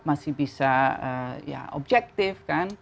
masih bisa objektif kan